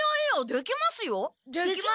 できます！